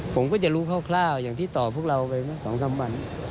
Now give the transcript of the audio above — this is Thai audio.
ผมก็จะรู้คร่าวอย่างที่ตอบพวกเราไปเมื่อ๒๓วัน